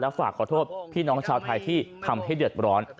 ฝากขอโทษพี่น้องชาวไทยที่ทำให้เดือดร้อน